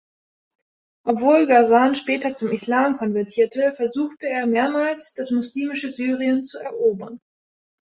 Obwohl Ghazan später zum Islam konvertierte, versuchte er mehrmals das muslimische Syrien zu erobern.